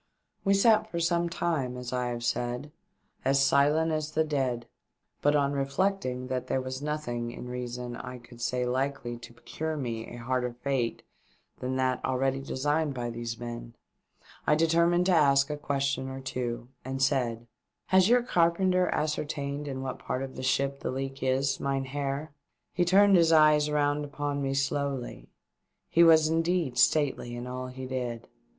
We sat for some time, as I have said, as silent as the dead ; but on reflecting that there was nothing, in reason, I could say likely to procure me a harder fate than that already designed by these men, I determined to ask a question or two, and said "Has your car penter ascertained in what part of the ship the leak is, mynheer ?" He turned his eyes round upon me slowly. He was indeed stately in all he did.